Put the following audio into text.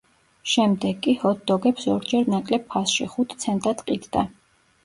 შემდეგ კი ჰოთ-დოგებს ორჯერ ნაკლებ ფასში, ხუთ ცენტად ყიდდა.